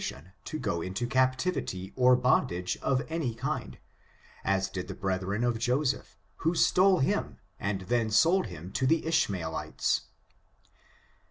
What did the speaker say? S36 ', i Hon to go into captivity oi bondage of any kind, as did the brethren of Joseph, who stole him, and then sold him to the IshmaeUtes.